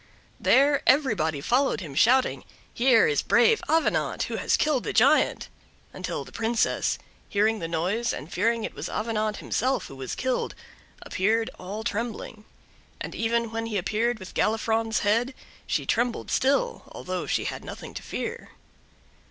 There everybody followed him, shouting: "Here is brave Avenant, who has killed the giant," until the Princess, hearing the noise, and fearing it was Avenant himself who was killed, appeared, all trembling; and even when he appeared with Galifron's head, she trembled still, although she had nothing to fear.